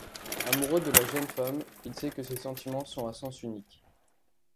Amoureux de la jeune femme, il sait que ses sentiments sont à sens unique.